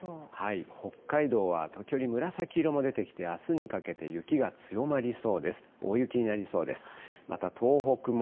北海道は時折、紫色も出てきて、あすにかけて雪が強まりそうです。